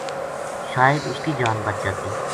شاید اس کی جان بچ جاتی